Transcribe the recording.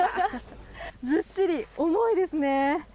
ずっしり重いですね。